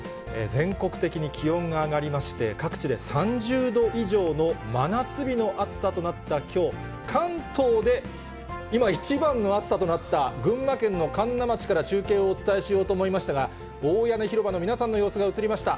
全国的に気温が上がりまして、各地で３０度以上の真夏日の暑さとなったきょう、関東で今一番の暑さとなった群馬県の神流町から中継をお伝えしようと思いましたが、大屋根広場の皆さんの様子が映りました。